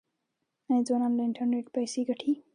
آیا ځوانان له انټرنیټ پیسې ګټي؟